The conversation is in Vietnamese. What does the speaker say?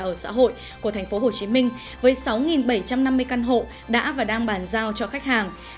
nhà ở xã hội của thành phố hồ chí minh với sáu bảy trăm năm mươi căn hộ đã và đang bàn giao cho khách hàng